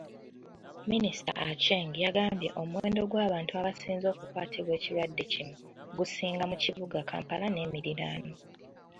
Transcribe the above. Minisita Aceng yagambye omuwendo gw’abantu abasinze okukwatibwa ekirwadde kino gusinga mu kibuga Kampala n’emiriraano.